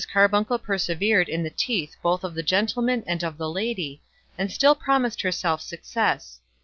Carbuncle persevered in the teeth both of the gentleman and of the lady, and still promised herself success.